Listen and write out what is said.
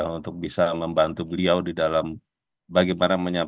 untuk bisa membantu beliau di dalam bagaimana